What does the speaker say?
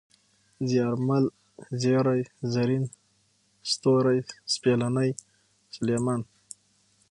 زيارمل ، زېرى ، زرين ، ستوری ، سپېلنی ، سلېمان